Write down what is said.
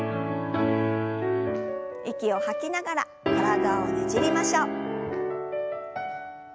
息を吐きながら体をねじりましょう。